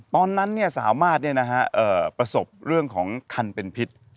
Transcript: ตอนนั้นสามารถประสบเรื่องของคันเป็นพิษ